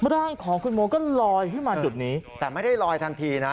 ร่างของคุณโมก็ลอยขึ้นมาจุดนี้แต่ไม่ได้ลอยทันทีนะ